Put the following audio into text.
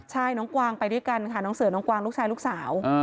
ใช่น้องกวางไปด้วยกันค่ะน้องเสือน้องกวางลูกชายลูกสาว